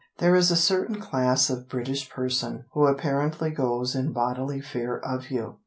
There is a certain class of British person Who apparently goes in bodily fear of you.